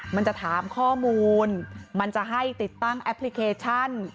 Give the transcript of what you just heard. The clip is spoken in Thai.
มันจะถามข้อมูลมันจะให้ติดตั้งแอปพลิเคชัน